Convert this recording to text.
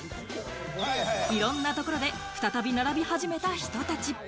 いろんなところで再び並び始めた人たち。